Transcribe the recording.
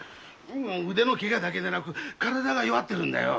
腕のケガだけでなく体が弱ってるんだよ。